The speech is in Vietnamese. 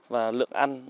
và lượng ăn